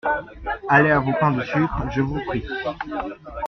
Allez à vos pains de sucre, je vous prie.